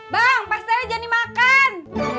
bang pastinya jangan dimakan